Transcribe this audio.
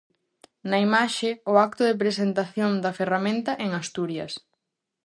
Na imaxe, o acto de presentación da ferramenta en Asturias.